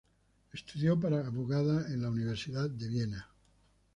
Estudió para abogada en la Universidad de Viena.